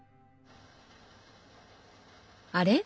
あれ？